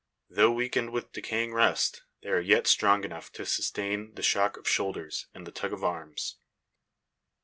Though weakened with decaying rust, they are yet strong enough to sustain the shock of shoulders, and the tug of arms.